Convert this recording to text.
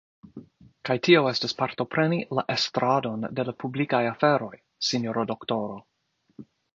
Kaj tio estas partopreni la estradon de la publikaj aferoj, sinjoro doktoro.